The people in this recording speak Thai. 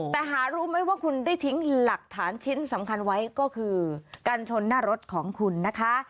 แต่หารู้ไหมว่าคุณได้ทิ้งหลักฐานชิ้นสำคัญไว้ก็คือการชนหน้ารถของคุณนะคะ